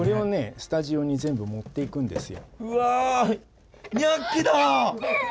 スタジオに全部持っていくんですよ。